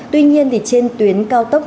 tuy nhiên thì trên tuyến cao tốc